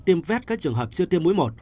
tiêm vét các trường hợp chưa tiêm mũi một